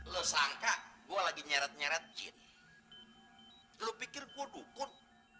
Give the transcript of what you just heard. lu sangka gua lagi nyaret nyaret jin lu pikir kudukut